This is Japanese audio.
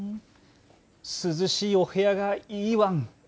涼しいお部屋がいいワン。